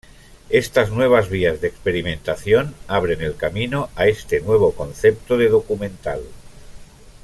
Estas nuevas vías de experimentación abren el camino a este nuevo concepto de documental.